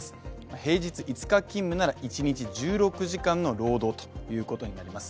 平日５日勤務なら一日１６時間の労働となります。